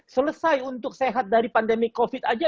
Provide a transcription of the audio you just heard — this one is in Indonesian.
selesai untuk sehat dari pandemi covid aja